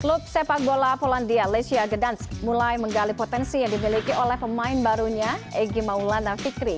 klub sepak bola polandia lecia gedans mulai menggali potensi yang dimiliki oleh pemain barunya egy maulana fikri